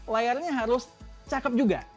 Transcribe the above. layarnya harus cakep juga